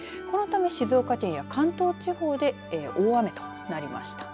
このため静岡県や関東地方で大雨となりました。